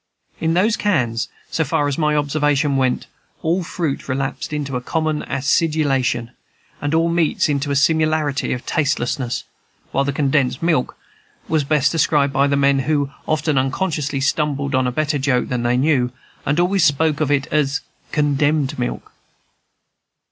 In those cans, so far as my observation went, all fruits relapsed into a common acidulation, and all meats into a similarity of tastelessness; while the "condensed milk" was best described by the men, who often unconsciously stumbled on a better joke than they knew, and always spoke of it as condemned milk.